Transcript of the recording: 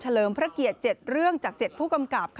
เลิมพระเกียรติ๗เรื่องจาก๗ผู้กำกับ